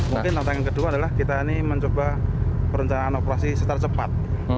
mungkin tantangan kedua adalah kita ini mencoba perencanaan operasi secara cepat